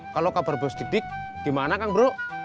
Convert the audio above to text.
kalau kabar bus didik gimana kang bro